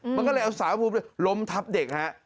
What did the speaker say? มันก็เลยเอาสารภูมิล้มทับเด็กฮะ